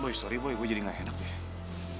boy sorry boy gue jadi gak enak deh